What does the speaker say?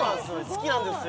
好きなんですよ